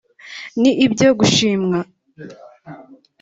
ni ibyo gushimwa